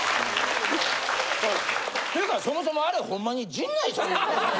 ていうかそもそもあれほんまに陣内さん。